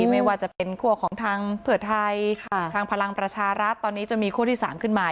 ไม่ว่าจะเป็นคั่วของทางเผื่อไทยทางพลังประชารัฐตอนนี้จะมีคั่วที่๓ขึ้นมา